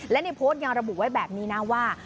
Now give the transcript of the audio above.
และในโพสต์ยังระบุไว้แบบนี้นะว่า